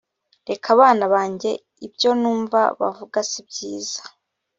reka bana banjye ibyo numva bavuga si byiza